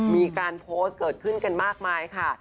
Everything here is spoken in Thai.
มีการโพสต์เกิดขึ้นกันมากมายค่ะ